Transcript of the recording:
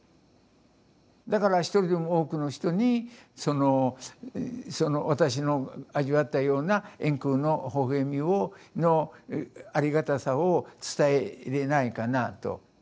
だから１人でも多くの人にその私の味わったような円空のほほえみのありがたさを伝えれないかなぁと。